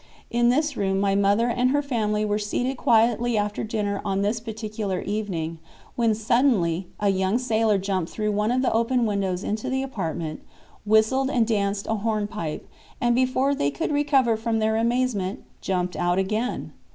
In this room my mother and her family were seated quietly after dinner on this particular evening, when suddenly a young sailor jumped through one of the open windows into the apartment, whistled and danced a hornpipe, and before they could recover from their amazement jumped out again.